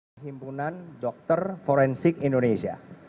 perhimpunan dokter forensik indonesia